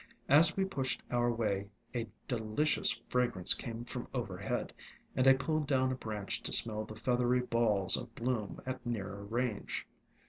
As we pushed our way, a delicious fragrance came from over head, and I pulled down a branch to smell the feathery balls of bloom at nearer range.